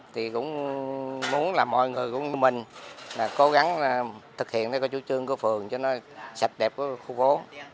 thì cũng muốn là mọi người cũng như mình là cố gắng thực hiện cái chủ trương của phường cho nó sạch đẹp của khu phố